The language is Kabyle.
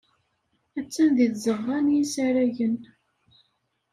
Attan deg tzeɣɣa n yisaragen.